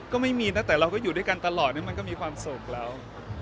ก็ไม่มีนะแต่เราก็อยู่ด้วยกันตลอดมันก็มีความสุขแล้ว